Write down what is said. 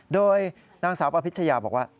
โดยนางสาวอภิชยาบอกว่า